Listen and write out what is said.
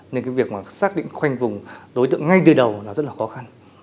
nên cái việc mà xác định khoanh vùng đối tượng ngay từ đầu là rất là khó khăn